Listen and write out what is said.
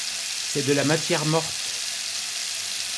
C'est de la matière morte.